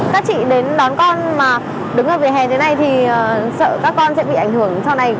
các chị đến đón con mà đứng ở vỉa hè thế này thì sợ các con sẽ bị ảnh hưởng sau này